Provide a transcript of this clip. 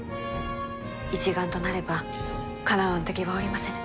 一丸となればかなわぬ敵はおりませぬ。